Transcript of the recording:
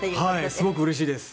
すごくうれしいです。